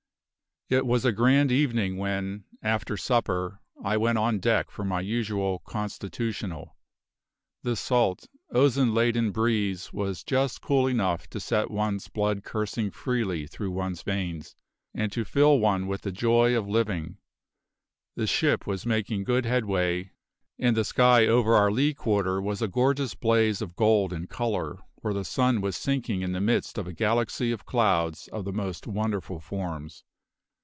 It was a grand evening when, after supper, I went on deck for my usual "constitutional". The salt, ozone laden breeze was just cool enough to set one's blood coursing freely through one's veins and to fill one with the joy of living; the ship was making good headway; and the sky over our lee quarter was a gorgeous blaze of gold and colour where the sun was sinking in the midst of a galaxy of clouds of the most wonderful forms.